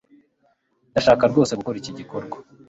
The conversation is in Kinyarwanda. ndashaka rwose gukora iki gikorwa